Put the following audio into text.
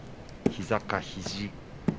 膝か肘